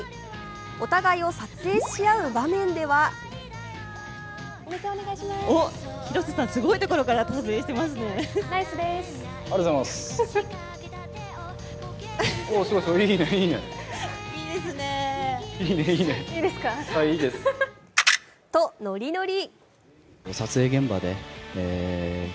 お互いを撮影し合う場面ではとノリノリ。